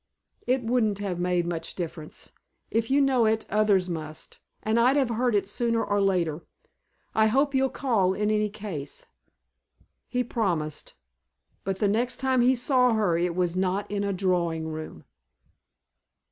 "It wouldn't have made much difference. If you know it others must, and I'd have heard it sooner or later. I hope you'll call in any case." He promised; but the next time he saw her it was not in a drawing room.